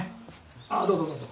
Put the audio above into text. あっどうぞどうぞ。